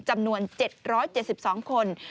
จำนวน๗๗๒คน